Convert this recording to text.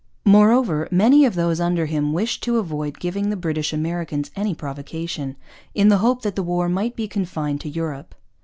Moreover, many of those under him wished to avoid giving the British Americans any provocation, in the hope that the war might be confined to Europe.